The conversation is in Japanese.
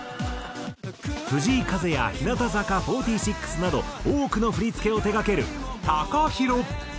藤井風や日向坂４６など多くの振付を手がけるＴＡＫＡＨＩＲＯ。